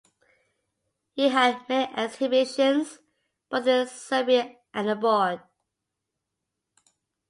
He had many exhibitions, both in Serbia and aboard.